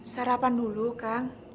sarapan dulu kang